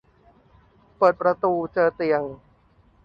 เปิดประตูเจอเตียง